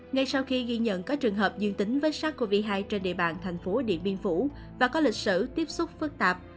ngay sau khi ghi nhận các trường hợp dương tính với sars cov hai trên địa bàn thành phố điện biên phủ và có lịch sử tiếp xúc phức tạp